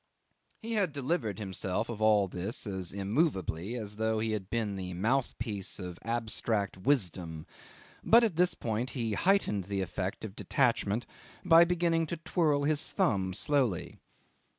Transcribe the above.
.. He had delivered himself of all this as immovably as though he had been the mouthpiece of abstract wisdom, but at this point he heightened the effect of detachment by beginning to twirl his thumbs slowly.